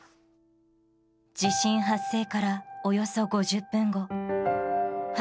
地震発生から、およそ５０分後。